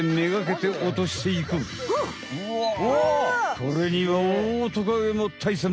これにはオオトカゲもたいさん！